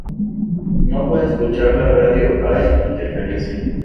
No puede escuchar la radio, hay interferencia.